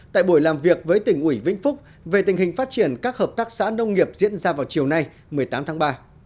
tại buổi làm việc với tỉnh ủy vĩnh phúc về tình hình phát triển các hợp tác xã nông nghiệp diễn ra vào chiều nay một mươi tám tháng ba